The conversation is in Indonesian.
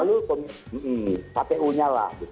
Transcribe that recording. lalu kpu nya lah